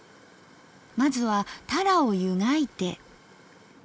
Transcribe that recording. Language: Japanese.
まずはタラを湯がいて。